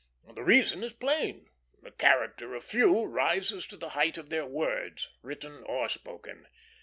The reason is plain; the character of few rises to the height of their words, written or spoken.